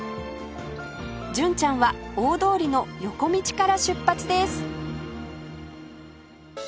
純ちゃんは大通りの横道から出発です